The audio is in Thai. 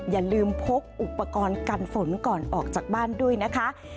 อย่าลืมพกอุปกรณ์กันฝนก่อนออกจากบ้านด้วยนะคะ